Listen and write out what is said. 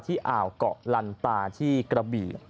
ที่อ่าวกะลันปลาที่กระบี